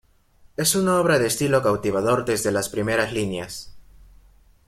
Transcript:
Es una obra de estilo cautivador desde las primeras líneas.